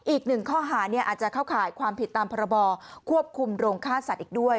อีกหนึ่งข้อหาอาจจะเข้าข่ายความผิดตามพรบควบคุมโรงฆ่าสัตว์อีกด้วย